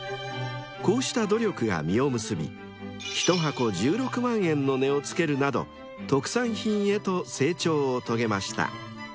［こうした努力が実を結び１箱１６万円の値を付けるなど特産品へと成長を遂げました］